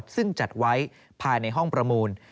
ซึ่งจัดไว้ภายในห้องประมูล